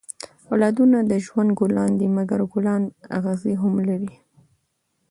اولادونه د ژوند ګلان دي؛ مکر ګلان اغزي هم لري.